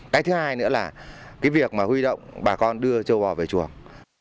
cái thứ hai nữa là cái việc mà huy động bà con đưa châu bò về chuồng